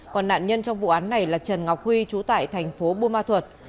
còn nạn nhân trong vụ án này là trần ngọc huy trú tại tp bùi ma thuật